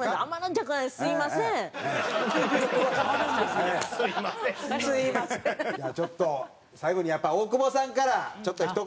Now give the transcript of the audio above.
じゃあちょっと最後にやっぱ大久保さんからちょっとひと言。